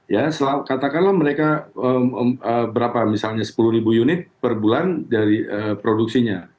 ya katakanlah mereka berapa misalnya sepuluh ribu unit per bulan dari produksinya